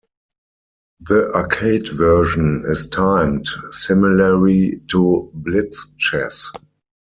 The arcade version is timed, similarly to blitz chess.